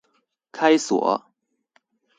開鎖